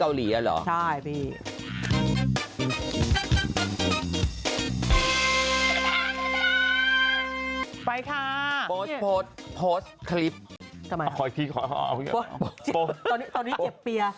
มันเจ็บตรงนี้